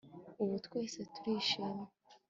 Ubu twese turishimye